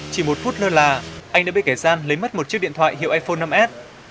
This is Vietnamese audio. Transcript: chỉ một phút lơ là anh đã bị kẻ gian lấy mất một chiếc điện thoại hiệu iphone năm s